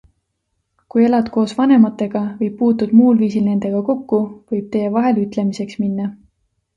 Kui elad koos vanematega või puutud muul viisil nendega kokku, võib teie vahel ütlemiseks minna.